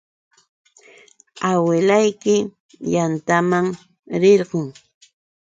Awilayki yantaman rirquy.